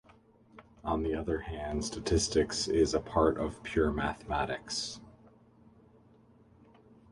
On the other hand, statistics is a part of pure mathematics.